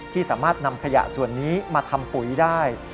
ที่สามารถนำขยะส่วนนี้มาทำปุ๋ยได้